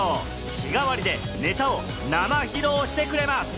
日替わりでネタを生披露してくれます。